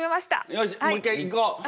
よしもう一回いこう。